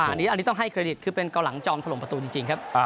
อันนี้ต้องให้เครดิตคือเป็นเกาหลังจอมถล่มประตูจริงครับ